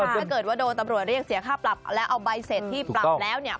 ถ้าเกิดว่าโดนตำรวจเรียกเสียค่าปรับแล้วเอาใบเสร็จที่ปรับแล้วเนี่ย